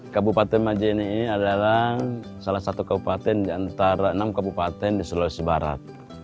kabupaten majene ini adalah salah satu kabupaten di antara enam kabupaten di sulawesi barat